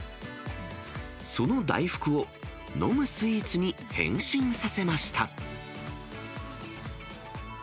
その大福を飲むスイーツに変身させました。